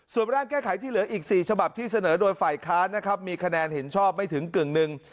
ส่วนร่างแก้ไขที่เหลืออีก๔ฉบับที่เสนอโดยฝ่ายค้านนะครับมีคะแนนเห็นชอบไม่ถึงกึ่งหนึ่ง